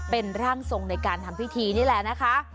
เป็นร่างทรงในการทำพิธีนี่แหละนะคะ